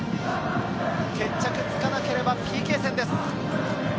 決着がつかなければＰＫ戦です。